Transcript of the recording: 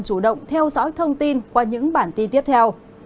chủ động theo dõi thông tin qua những bản tin tiếp theo